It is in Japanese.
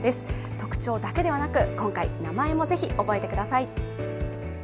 特徴だけではなく、今回、名前もぜひ、覚えてください。